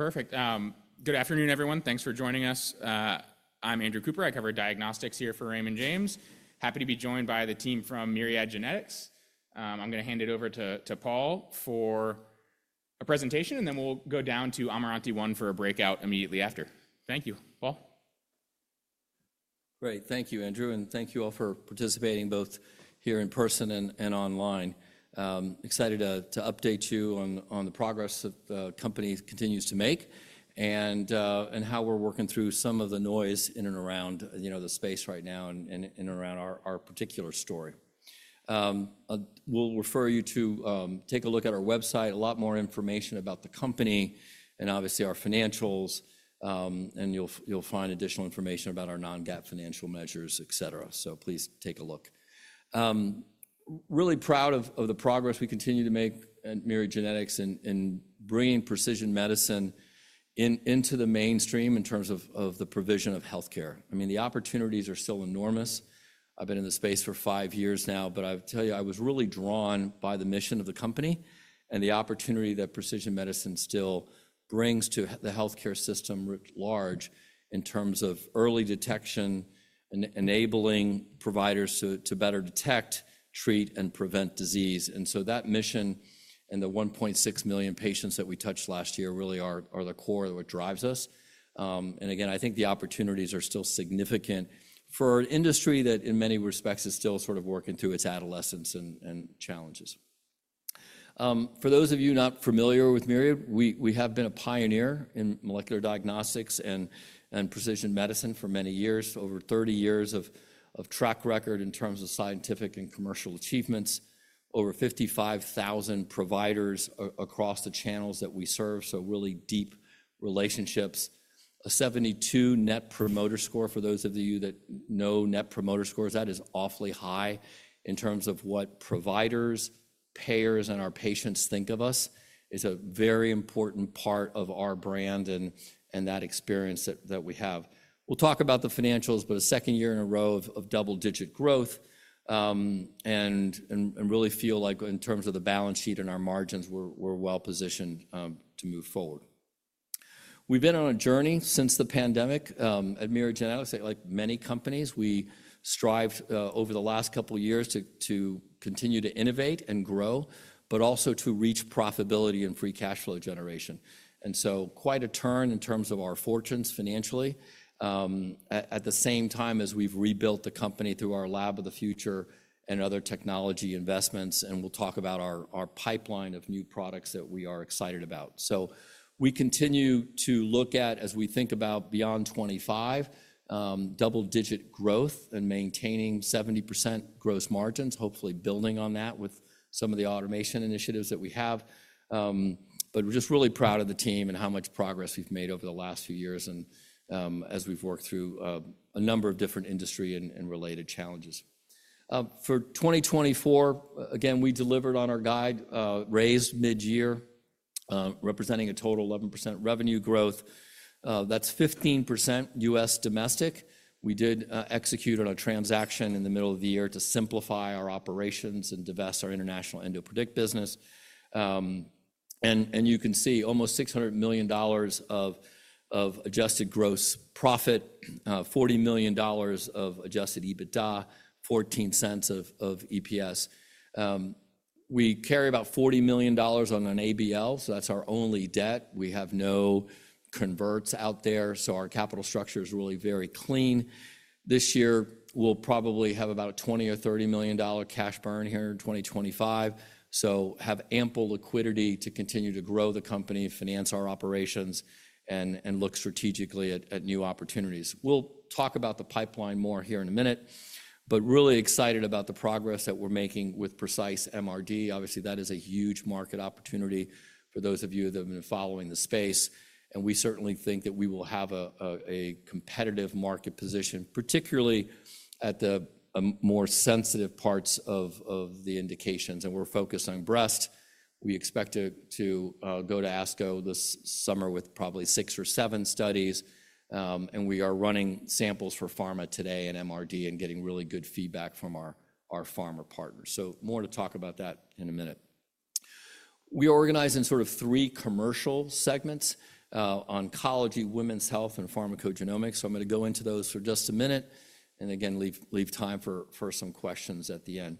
Perfect. Good afternoon, everyone. Thanks for joining us. I'm Andrew Cooper. I cover diagnostics here for Raymond James. Happy to be joined by the team from Myriad Genetics. I'm going to hand it over to Paul for a presentation, and then we'll go down to Amarante 1 for a breakout immediately after. Thank you. Paul? Great. Thank you, Andrew. Thank you all for participating, both here in person and online. Excited to update you on the progress that the company continues to make and how we're working through some of the noise in and around, you know, the space right now and around our particular story. We'll refer you to take a look at our website, a lot more information about the company and obviously our financials. You'll find additional information about our non-debt financial measures, et cetera. Please take a look. Really proud of the progress we continue to make at Myriad Genetics in bringing precision medicine into the mainstream in terms of the provision of healthcare. I mean, the opportunities are still enormous. I've been in the space for five years now, but I'll tell you, I was really drawn by the mission of the company and the opportunity that precision medicine still brings to the healthcare system at large in terms of early detection, enabling providers to better detect, treat, and prevent disease. That mission and the 1.6 million patients that we touched last year really are the core of what drives us. I think the opportunities are still significant for an industry that in many respects is still sort of working through its adolescence and challenges. For those of you not familiar with Myriad, we have been a pioneer in molecular diagnostics and precision medicine for many years, over 30 years of track record in terms of scientific and commercial achievements, over 55,000 providers across the channels that we serve. Really deep relationships, a 72 Net Promoter Score for those of you that know Net Promoter Scores. That is awfully high in terms of what providers, payers, and our patients think of us. It's a very important part of our brand and that experience that we have. We'll talk about the financials, but a second year in a row of double-digit growth, and really feel like in terms of the balance sheet and our margins, we're well positioned to move forward. We've been on a journey since the pandemic. At Myriad Genetics, like many companies, we strived over the last couple of years to continue to innovate and grow, but also to reach profitability and free cash flow generation. Quite a turn in terms of our fortunes financially, at the same time as we've rebuilt the company through our lab of the future and other technology investments. We'll talk about our pipeline of new products that we are excited about. We continue to look at, as we think about beyond 2025, double-digit growth and maintaining 70% gross margins, hopefully building on that with some of the automation initiatives that we have. We're just really proud of the team and how much progress we've made over the last few years. As we've worked through a number of different industry and related challenges. For 2024, again, we delivered on our guide, raised mid-year, representing a total 11% revenue growth. That's 15% U.S. domestic. We did execute on a transaction in the middle of the year to simplify our operations and divest our international EndoPredict business, and you can see almost $600 million of adjusted gross profit, $40 million of adjusted EBITDA, $0.14 of EPS. We carry about $40 million on an ABL. So that's our only debt. We have no converts out there. So our capital structure is really very clean. This year, we'll probably have about a $20 million-$30 million cash burn here in 2025. We have ample liquidity to continue to grow the company, finance our operations, and look strategically at new opportunities. We'll talk about the pipeline more here in a minute, but really excited about the progress that we're making with Precise MRD. Obviously, that is a huge market opportunity for those of you that have been following the space. We certainly think that we will have a competitive market position, particularly at the more sensitive parts of the indications. We are focused on breast. We expect to go to ASCO this summer with probably six or seven studies. We are running samples for pharma today in MRD and getting really good feedback from our pharma partners. More to talk about that in a minute. We organize in three commercial segments: oncology, women's health, and pharmacogenomics. I'm going to go into those for just a minute and again, leave time for some questions at the end.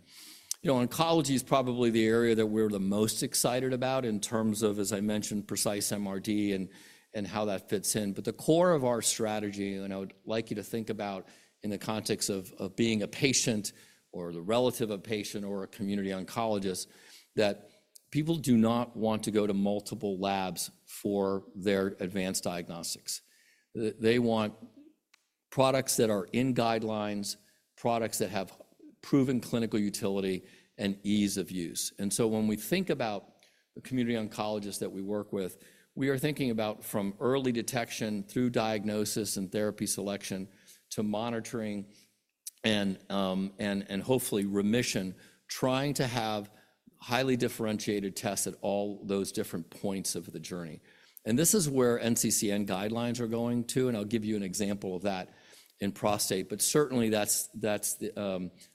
You know, oncology is probably the area that we're the most excited about in terms of, as I mentioned, Precise MRD and how that fits in. The core of our strategy, and I would like you to think about it in the context of being a patient or the relative of a patient or a community oncologist, is that people do not want to go to multiple labs for their advanced diagnostics. They want products that are in guidelines, products that have proven clinical utility and ease of use. When we think about the community oncologists that we work with, we are thinking about from early detection through diagnosis and therapy selection to monitoring and, hopefully, remission, trying to have highly differentiated tests at all those different points of the journey. This is where NCCN guidelines are going to, and I'll give you an example of that in prostate, but certainly that is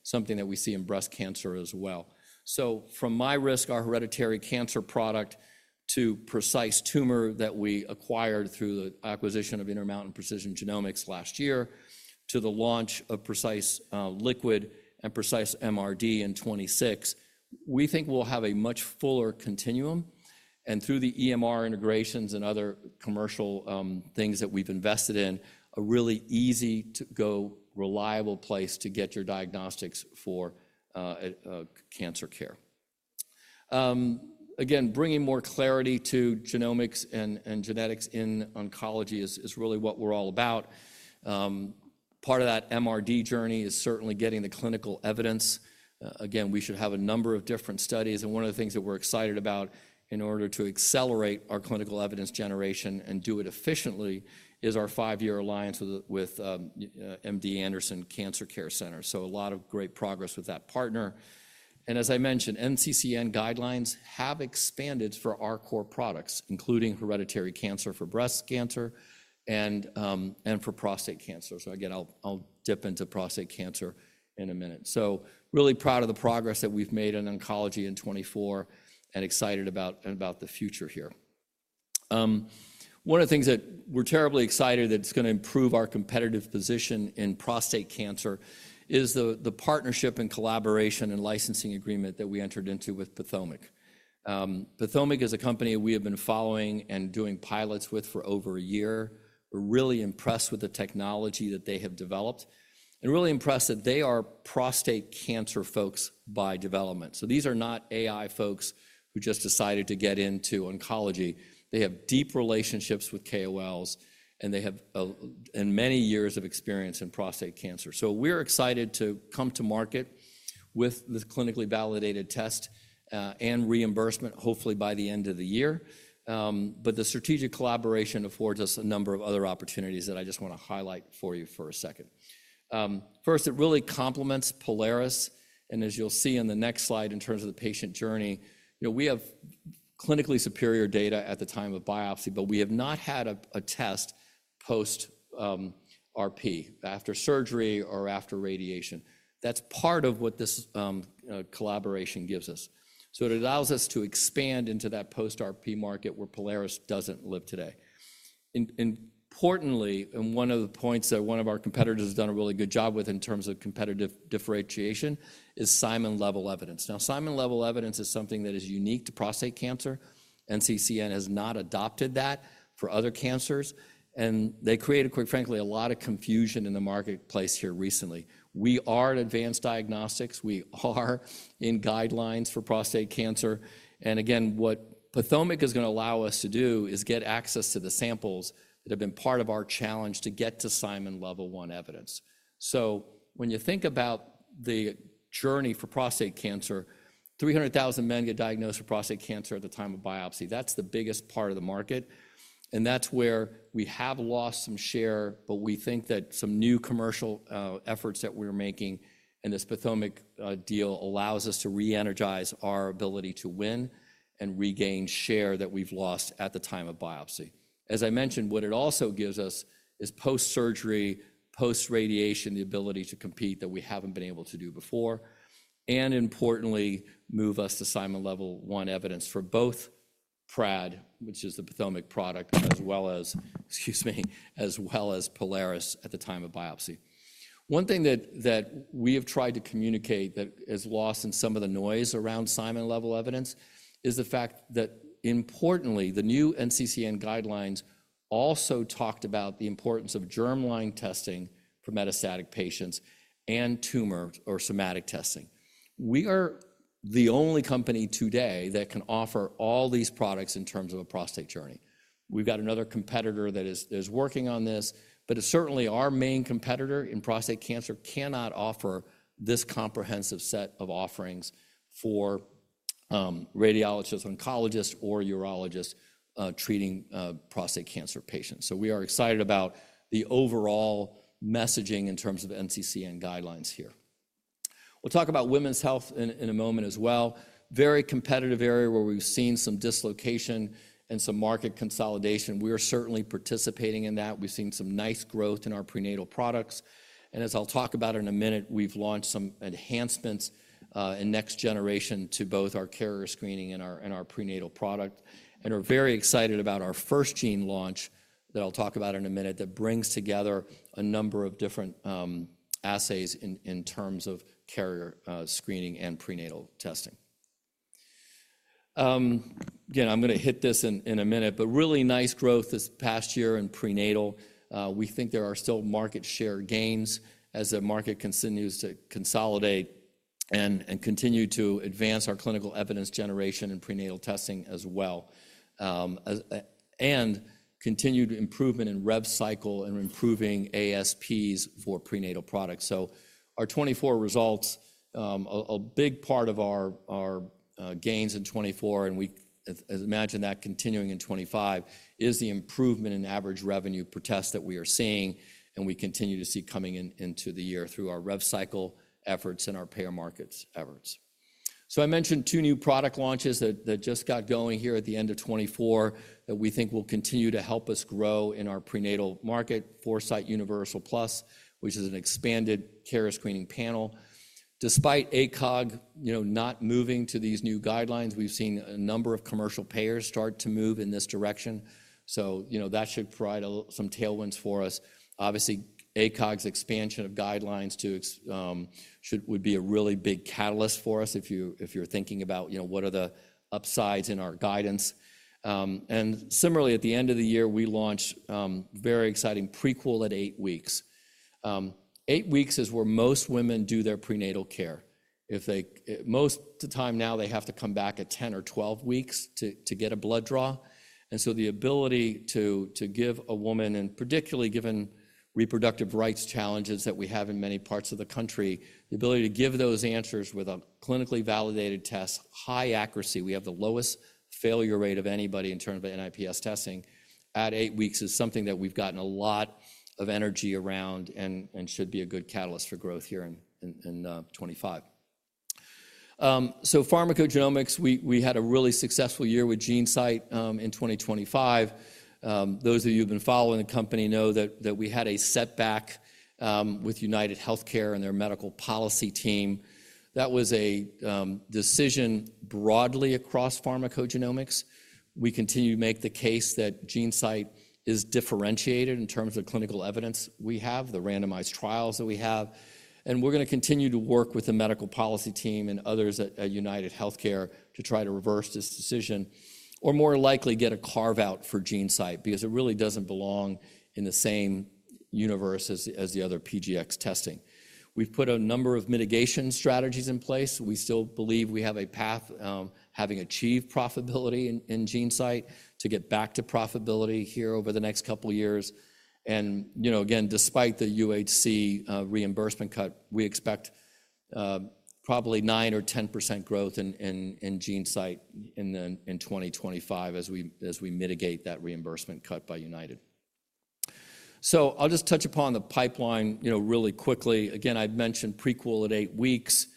something that we see in breast cancer as well. From MyRisk, our hereditary cancer product, to Precise Tumor that we acquired through the acquisition of Intermountain Precision Genomics last year, to the launch of Precise Liquid and Precise MRD in 2026, we think we'll have a much fuller continuum, and through the EMR integrations and other commercial things that we've invested in, a really easy-to-go, reliable place to get your diagnostics for cancer care. Again, bringing more clarity to genomics and genetics in oncology is really what we're all about. Part of that MRD journey is certainly getting the clinical evidence. Again, we should have a number of different studies. One of the things that we're excited about in order to accelerate our clinical evidence generation and do it efficiently is our five-year alliance with MD Anderson Cancer Center. A lot of great progress with that partner. As I mentioned, NCCN guidelines have expanded for our core products, including hereditary cancer for breast cancer and for prostate cancer. I'll dip into prostate cancer in a minute. I am really proud of the progress that we've made in oncology in 2024 and excited about the future here. One of the things that we are terribly excited about that's going to improve our competitive position in prostate cancer is the partnership and collaboration and licensing agreement that we entered into with PATHOMIQ. PATHOMIQ is a company we have been following and doing pilots with for over a year. We are really impressed with the technology that they have developed and really impressed that they are prostate cancer folks by development. These are not AI folks who just decided to get into oncology. They have deep relationships with KOLs and they have many years of experience in prostate cancer. We are excited to come to market with this clinically validated test, and reimbursement hopefully by the end of the year. The strategic collaboration affords us a number of other opportunities that I just want to highlight for you for a second. First, it really complements Prolaris. As you will see on the next slide in terms of the patient journey, you know, we have clinically superior data at the time of biopsy, but we have not had a test post-RP after surgery or after radiation. That is part of what this collaboration gives us. It allows us to expand into that post-RP market where Prolaris does not live today. Importantly, one of the points that one of our competitors has done a really good job with in terms of competitive differentiation is Simon Level evidence. Simon Level evidence is something that is unique to prostate cancer. NCCN has not adopted that for other cancers. They created, quite frankly, a lot of confusion in the marketplace here recently. We are in advanced diagnostics. We are in guidelines for prostate cancer. What PATHOMIQ is going to allow us to do is get access to the samples that have been part of our challenge to get to Simon Level 1 evidence. When you think about the journey for prostate cancer, 300,000 men get diagnosed with prostate cancer at the time of biopsy. That is the biggest part of the market. That's where we have lost some share, but we think that some new commercial efforts that we're making and this PATHOMIQ deal allows us to re-energize our ability to win and regain share that we've lost at the time of biopsy. As I mentioned, what it also gives us is post-surgery, post-radiation, the ability to compete that we haven't been able to do before, and importantly, move us to Simon Level 1 evidence for both PRAD, which is the PATHOMIQ product, as well as, excuse me, as well as Prolaris at the time of biopsy. One thing that we have tried to communicate that has lost in some of the noise around Simon Level evidence is the fact that importantly, the new NCCN guidelines also talked about the importance of germline testing for metastatic patients and tumor or somatic testing. We are the only company today that can offer all these products in terms of a prostate journey. We've got another competitor that is working on this, but certainly our main competitor in prostate cancer cannot offer this comprehensive set of offerings for radiologists, oncologists, or urologists treating prostate cancer patients. We are excited about the overall messaging in terms of NCCN guidelines here. We'll talk about women's health in a moment as well. Very competitive area where we've seen some dislocation and some market consolidation. We are certainly participating in that. We've seen some nice growth in our prenatal products. As I'll talk about in a minute, we've launched some enhancements in next generation to both our carrier screening and our prenatal product. We're very excited about our FirstGene launch that I'll talk about in a minute that brings together a number of different assays in terms of carrier screening and prenatal testing. I'm going to hit this in a minute, but really nice growth this past year in prenatal. We think there are still market share gains as the market continues to consolidate and continue to advance our clinical evidence generation in prenatal testing as well. Continued improvement in rev cycle and improving ASPs for prenatal products. Our 2024 results, a big part of our gains in 2024, and we imagine that continuing in 2025, is the improvement in average revenue per test that we are seeing and we continue to see coming into the year through our rev cycle efforts and our payer markets efforts. I mentioned two new product launches that just got going here at the end of 2024 that we think will continue to help us grow in our prenatal market, Foresight Universal Plus, which is an expanded carrier screening panel. Despite ACOG, you know, not moving to these new guidelines, we've seen a number of commercial payers start to move in this direction. You know, that should provide a little, some tailwinds for us. Obviously, ACOG's expansion of guidelines too should, would be a really big catalyst for us if you, if you're thinking about, you know, what are the upsides in our guidance. Similarly, at the end of the year, we launched very exciting Prequel at eight weeks. Eight weeks is where most women do their prenatal care. If they, most of the time now, they have to come back at 10 or 12 weeks to get a blood draw. The ability to give a woman, and particularly given reproductive rights challenges that we have in many parts of the country, the ability to give those answers with a clinically validated test, high accuracy, we have the lowest failure rate of anybody in terms of NIPS testing at eight weeks is something that we've gotten a lot of energy around and should be a good catalyst for growth here in 2025. Pharmacogenomics, we had a really successful year with GeneSight in 2025. Those of you who've been following the company know that we had a setback with UnitedHealthcare and their medical policy team. That was a decision broadly across pharmacogenomics. We continue to make the case that GeneSight is differentiated in terms of clinical evidence. We have the randomized trials that we have, and we're going to continue to work with the medical policy team and others at UnitedHealthcare to try to reverse this decision or more likely get a carve-out for GeneSight because it really doesn't belong in the same universe as the other PGx testing. We've put a number of mitigation strategies in place. We still believe we have a path, having achieved profitability in GeneSight, to get back to profitability here over the next couple of years. You know, again, despite the UHC reimbursement cut, we expect probably 9% or 10% growth in GeneSight in 2025 as we mitigate that reimbursement cut by United. I'll just touch upon the pipeline, you know, really quickly. Again, I've mentioned Prequel at eight weeks,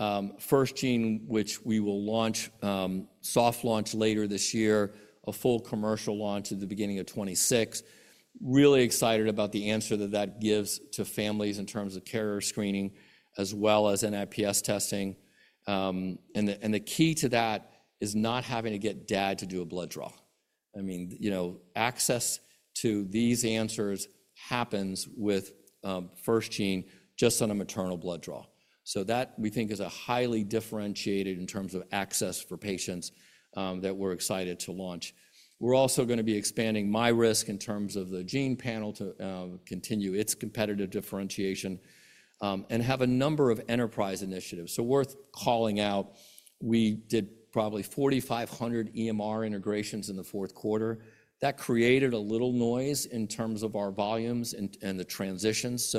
FirstGene, which we will launch, soft launch later this year, a full commercial launch at the beginning of 2026. Really excited about the answer that that gives to families in terms of carrier screening as well as NIPS testing. I mean, you know, access to these answers happens with FirstGene just on a maternal blood draw. That we think is highly differentiated in terms of access for patients, that we're excited to launch. We're also going to be expanding MyRisk in terms of the gene panel to continue its competitive differentiation, and have a number of enterprise initiatives. Worth calling out, we did probably 4,500 EMR integrations in the fourth quarter. That created a little noise in terms of our volumes and the transitions.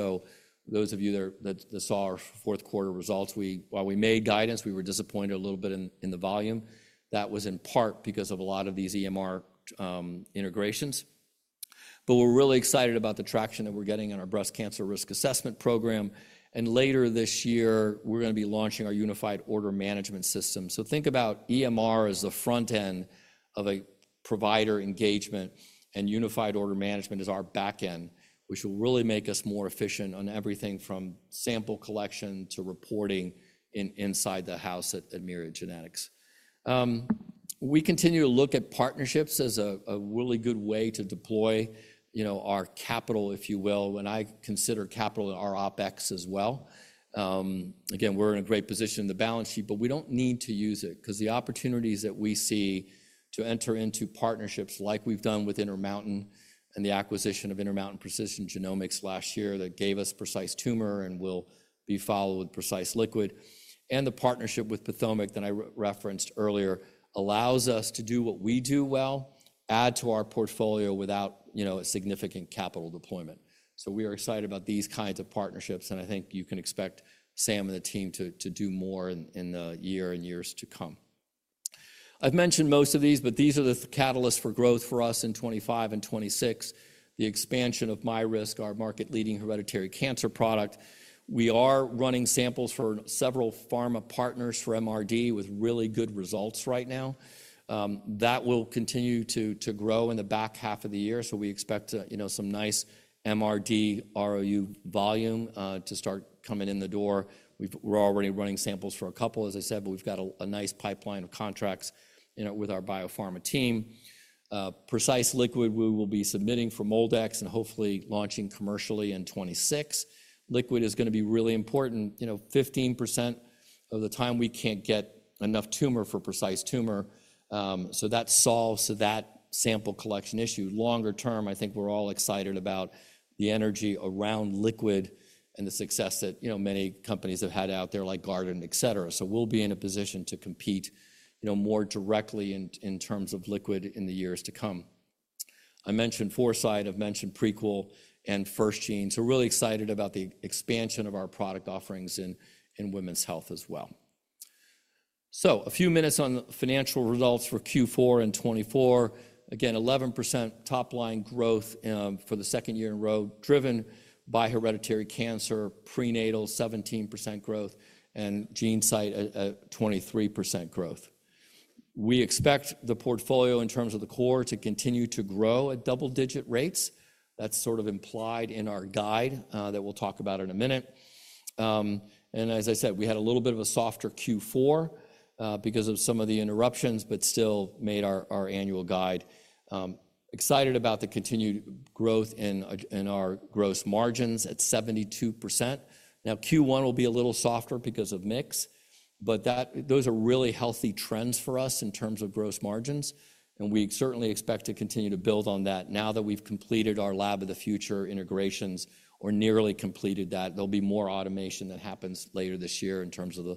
Those of you that saw our fourth quarter results, we, while we made guidance, we were disappointed a little bit in the volume. That was in part because of a lot of these EMR integrations. We are really excited about the traction that we are getting on our breast cancer risk assessment program. Later this year, we are going to be launching our unified order management system. Think about EMR as the front end of a provider engagement and unified order management as our backend, which will really make us more efficient on everything from sample collection to reporting inside the house at Myriad Genetics. We continue to look at partnerships as a really good way to deploy, you know, our capital, if you will, when I consider capital in our OpEx as well. Again, we're in a great position in the balance sheet, but we don't need to use it because the opportunities that we see to enter into partnerships like we've done with Intermountain and the acquisition of Intermountain Precision Genomics last year that gave us Precise Tumor and will be followed with Precise Liquid and the partnership with PATHOMIQ that I referenced earlier allows us to do what we do well, add to our portfolio without, you know, a significant capital deployment. We are excited about these kinds of partnerships. I think you can expect Sam and the team to do more in the year and years to come. I've mentioned most of these, but these are the catalysts for growth for us in 2025 and 2026. The expansion of MyRisk, our market-leading hereditary cancer product. We are running samples for several pharma partners for MRD with really good results right now. That will continue to grow in the back half of the year. We expect to, you know, some nice MRD ROU volume, to start coming in the door. We're already running samples for a couple, as I said, but we've got a nice pipeline of contracts, you know, with our biopharma team. Precise Liquid we will be submitting for MolDX and hopefully launching commercially in 2026. Liquid is going to be really important, you know, 15% of the time we can't get enough tumor for Precise Tumor. That solves that sample collection issue. Longer term, I think we're all excited about the energy around liquid and the success that, you know, many companies have had out there like Guardant, et cetera. We'll be in a position to compete, you know, more directly in terms of liquid in the years to come. I mentioned Foresight, I've mentioned Prequel and FirstGene. Really excited about the expansion of our product offerings in women's health as well. A few minutes on financial results for Q4 and 2024. Again, 11% top line growth for the second year in a row driven by hereditary cancer, prenatal 17% growth, and GeneSight, 23% growth. We expect the portfolio in terms of the core to continue to grow at double-digit rates. That's sort of implied in our guide, that we'll talk about in a minute. As I said, we had a little bit of a softer Q4 because of some of the interruptions, but still made our annual guide, excited about the continued growth in our gross margins at 72%. Q1 will be a little softer because of mix, but those are really healthy trends for us in terms of gross margins. We certainly expect to continue to build on that now that we've completed our lab of the future integrations or nearly completed that. There will be more automation that happens later this year in terms of the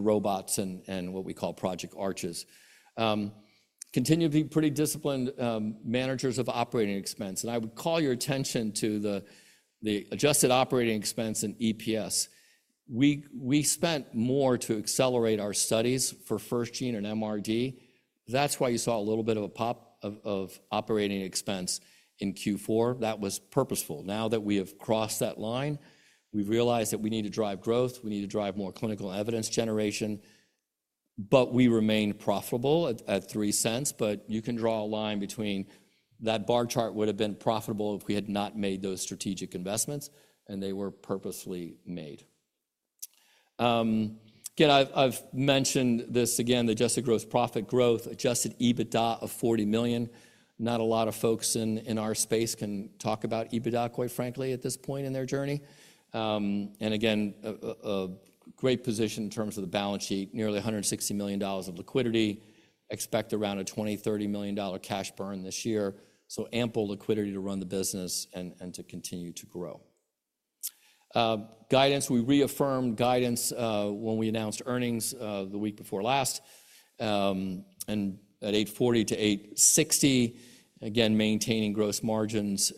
robots and what we call project arches. We continue to be pretty disciplined managers of operating expense. I would call your attention to the adjusted operating expense and EPS. We spent more to accelerate our studies for FirstGene and MRD. That's why you saw a little bit of a pop of operating expense in Q4. That was purposeful. Now that we have crossed that line, we've realized that we need to drive growth. We need to drive more clinical evidence generation, but we remain profitable at $0.03. You can draw a line between that bar chart would have been profitable if we had not made those strategic investments, and they were purposely made. I've mentioned this again, the adjusted gross profit growth, adjusted EBITDA of $40 million. Not a lot of folks in our space can talk about EBITDA, quite frankly, at this point in their journey. A great position in terms of the balance sheet, nearly $160 million of liquidity. Expect around a $20-$30 million cash burn this year. Ample liquidity to run the business and, and to continue to grow. Guidance, we reaffirmed guidance, when we announced earnings, the week before last, and at $840-$860, again, maintaining gross margins,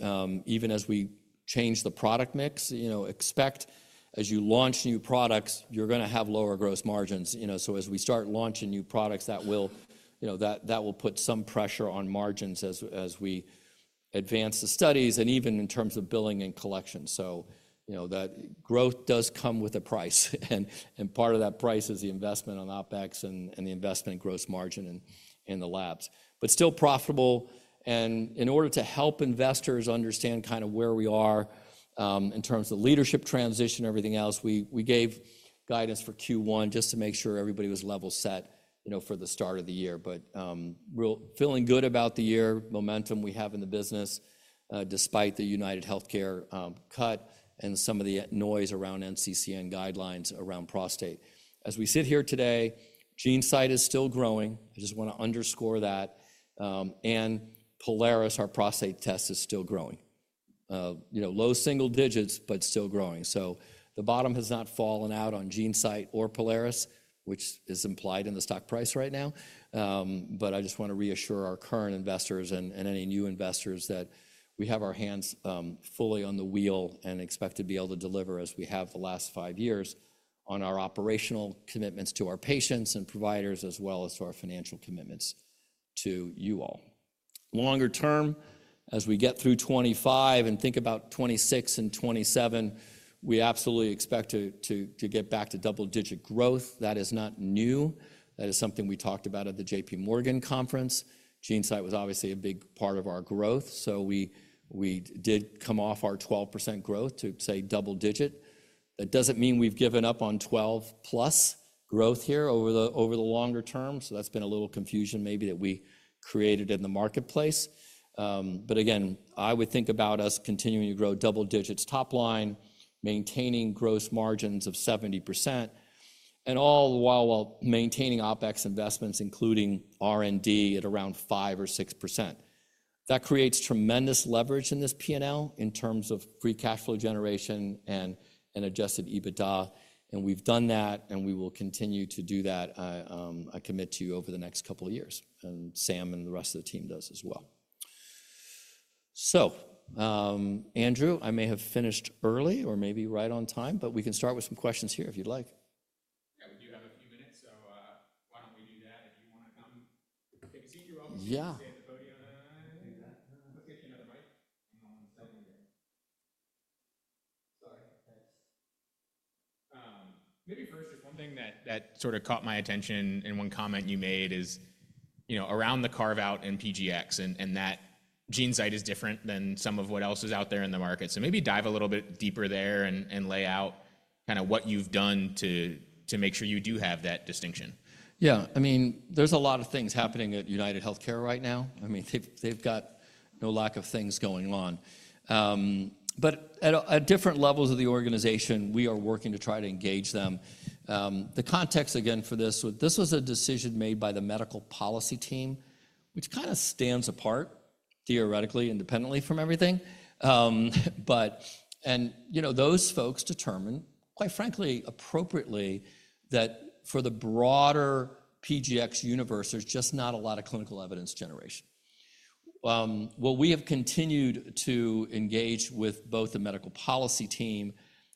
even as we change the product mix, you know, expect as you launch new products, you're going to have lower gross margins, you know, so as we start launching new products, that will, you know, that, that will put some pressure on margins as, as we advance the studies and even in terms of billing and collection. You know, that growth does come with a price and, and part of that price is the investment on OpEx and, and the investment in gross margin and, and the labs, but still profitable. In order to help investors understand kind of where we are, in terms of leadership transition, everything else, we gave guidance for Q1 just to make sure everybody was level set, you know, for the start of the year. Real feeling good about the year momentum we have in the business, despite the UnitedHealthcare cut and some of the noise around NCCN guidelines around prostate. As we sit here today, GeneSight is still growing. I just want to underscore that. And Prolaris, our prostate test, is still growing. You know, low single digits, but still growing. The bottom has not fallen out on GeneSight or Prolaris, which is implied in the stock price right now. I just want to reassure our current investors and any new investors that we have our hands fully on the wheel and expect to be able to deliver as we have the last five years on our operational commitments to our patients and providers, as well as to our financial commitments to you all. Longer term, as we get through 2025 and think about 2026 and 2027, we absolutely expect to get back to double-digit growth. That is not new. That is something we talked about at the JPMorgan conference. GeneSight was obviously a big part of our growth. We did come off our 12% growth to say double-digit. It does not mean we have given up on 12%+ growth here over the longer term. That has been a little confusion maybe that we created in the marketplace. But again, I would think about us continuing to grow double digits top line, maintaining gross margins of 70%, and all the while while maintaining OpEx investments, including R&D at around 5% or 6%. That creates tremendous leverage in this P&L in terms of free cash flow generation and adjusted EBITDA. We have done that and we will continue to do that. I commit to you over the next couple of years and Sam and the rest of the team does as well. Andrew, I may have finished early or maybe right on time, but we can start with some questions here if you would like. Yeah. First, if one thing that sort of caught my attention in one comment you made is, you know, around the carve-out in PGx and that GeneSight is different than some of what else is out there in the market. Maybe dive a little bit deeper there and lay out kind of what you've done to make sure you do have that distinction. Yeah. I mean, there's a lot of things happening at UnitedHealthcare right now. I mean, they've got no lack of things going on. At different levels of the organization, we are working to try to engage them. The context again for this, this was a decision made by the medical policy team, which kind of stands apart theoretically independently from everything. But, and you know, those folks determined, quite frankly, appropriately that for the broader PGx universe, there's just not a lot of clinical evidence generation. What we have continued to engage with both the medical policy team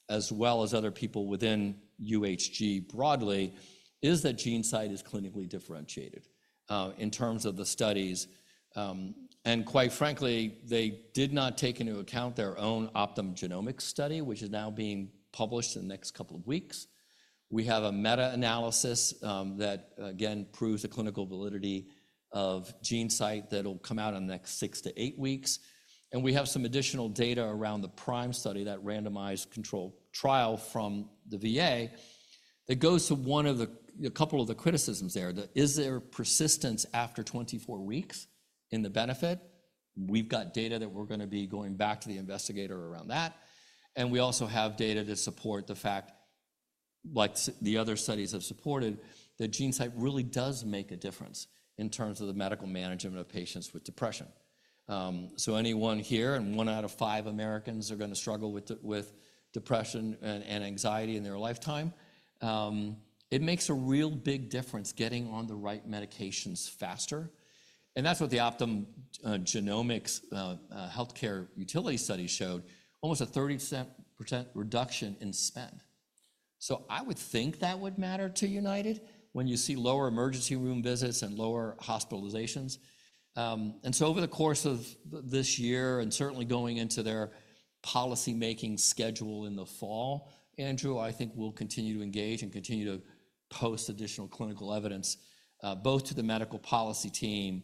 as well as other people within UHG broadly is that GeneSight is clinically differentiated, in terms of the studies. And quite frankly, they did not take into account their own Optum Genomics study, which is now being published in the next couple of weeks. We have a meta-analysis, that again proves the clinical validity of GeneSight that'll come out in the next six to eight weeks. And we have some additional data around the PRIME study, that randomized control trial from the VA that goes to one of the, a couple of the criticisms there. Is there persistence after 24 weeks in the benefit? We've got data that we're going to be going back to the investigator around that. We also have data to support the fact, like the other studies have supported, that GeneSight really does make a difference in terms of the medical management of patients with depression. Anyone here and one out of five Americans are going to struggle with depression and anxiety in their lifetime. It makes a real big difference getting on the right medications faster. That is what the Optum Genomics Healthcare Utility study showed, almost a 30% reduction in spend. I would think that would matter to United when you see lower emergency room visits and lower hospitalizations. Over the course of this year and certainly going into their policymaking schedule in the fall, Andrew, I think we'll continue to engage and continue to post additional clinical evidence, both to the medical policy team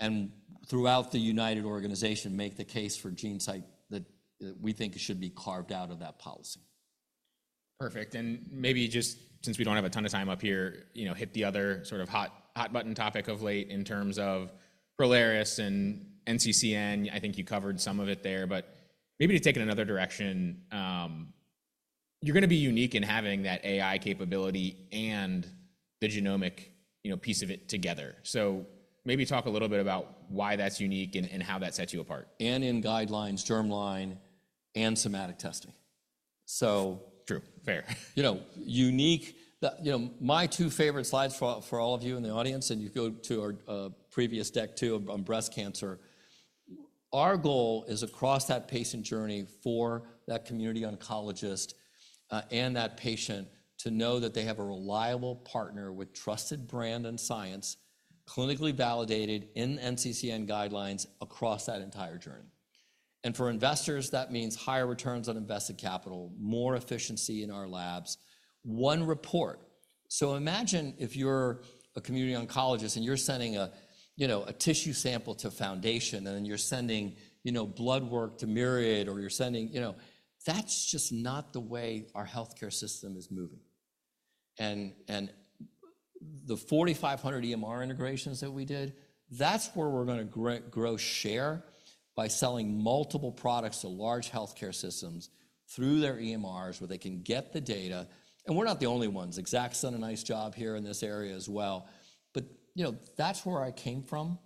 and throughout the United organization, make the case for GeneSight that we think it should be carved out of that policy. Perfect. Maybe just since we don't have a ton of time up here, you know, hit the other sort of hot, hot button topic of late in terms of Prolaris and NCCN. I think you covered some of it there, but maybe to take it in another direction, you're going to be unique in having that AI capability and the genomic, you know, piece of it together. Maybe talk a little bit about why that's unique and how that sets you apart. In guidelines, germline, and somatic testing. True. Fair. You know, unique. You know, my two favorite slides for all of you in the audience, and you go to our previous deck too on breast cancer. Our goal is across that patient journey for that community oncologist, and that patient to know that they have a reliable partner with trusted brand and science, clinically validated in NCCN guidelines across that entire journey. For investors, that means higher returns on invested capital, more efficiency in our labs. One report. Imagine if you're a community oncologist and you're sending a tissue sample to Foundation Medicine and then you're sending blood work to Myriad or you're sending, you know, that's just not the way our healthcare system is moving. The 4,500 EMR integrations that we did, that's where we're going to grow share by selling multiple products to large healthcare systems through their EMRs where they can get the data. We're not the only ones. Exact Sciences has done a nice job here in this area as well. You know, that's where I came from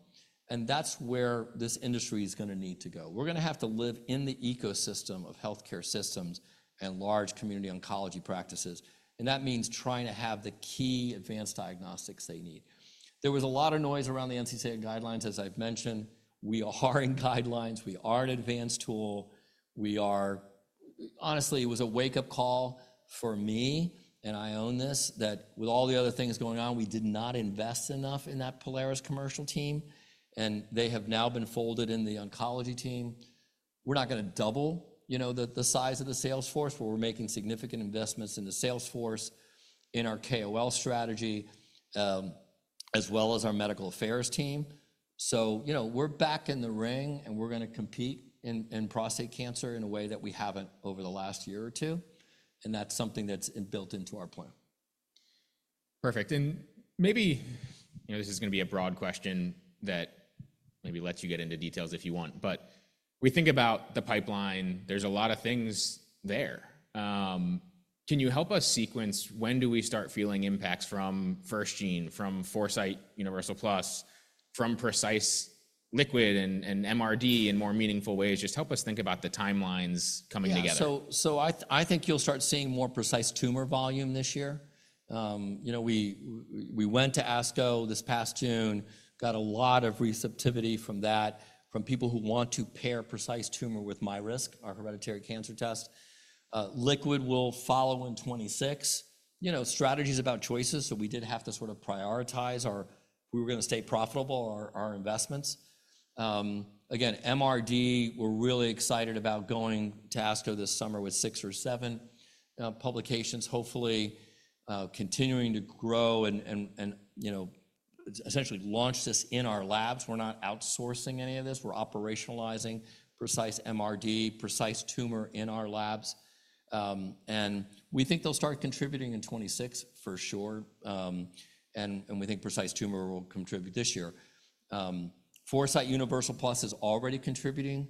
and that's where this industry is going to need to go. We're going to have to live in the ecosystem of healthcare systems and large community oncology practices. That means trying to have the key advanced diagnostics they need. There was a lot of noise around the NCCN guidelines, as I've mentioned. We are in guidelines. We are an advanced tool. We are, honestly, it was a wake-up call for me, and I own this, that with all the other things going on, we did not invest enough in that Prolaris commercial team, and they have now been folded in the oncology team. We're not going to double the size of the Salesforce, but we're making significant investments in the Salesforce, in our KOL strategy, as well as our medical affairs team. You know, we're back in the ring and we're going to compete in prostate cancer in a way that we haven't over the last year or two. That's something that's built into our plan. Perfect. Maybe, you know, this is going to be a broad question that maybe lets you get into details if you want, but we think about the pipeline. There's a lot of things there. Can you help us sequence when do we start feeling impacts from FirstGene, from Foresight Universal Plus, from Precise Liquid, and MRD in more meaningful ways? Just help us think about the timelines coming together. Yeah. I think you'll start seeing more Precise Tumor volume this year. You know, we went to ASCO this past June, got a lot of receptivity from that, from people who want to pair Precise Tumor with MyRisk, our hereditary cancer test. Liquid will follow in 2026. You know, strategy's about choices. We did have to sort of prioritize our, we were going to stay profitable, our investments. Again, MRD, we're really excited about going to ASCO this summer with six or seven publications, hopefully, continuing to grow and, you know, essentially launch this in our labs. We're not outsourcing any of this. We're operationalizing Precise MRD, Precise Tumor in our labs. We think they'll start contributing in 2026 for sure, and we think Precise Tumor will contribute this year. Foresight Universal Plus is already contributing.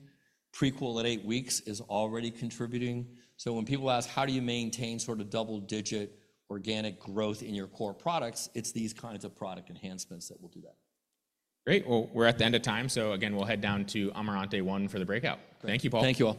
Prequel at eight weeks is already contributing. When people ask, how do you maintain sort of double-digit organic growth in your core products? It's these kinds of product enhancements that will do that. Great. We're at the end of time. Again, we'll head down to Amarante 1 for the breakout. Thank you both. Thank you all.